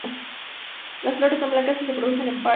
Las flores son blancas y se producen en pares.